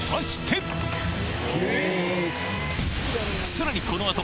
さらにこの後